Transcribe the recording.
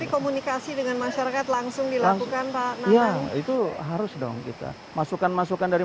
komunikasi dengan masyarakat langsung dilakukan pak nanang itu harus dong kita masukan masukan dari